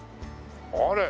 あれ。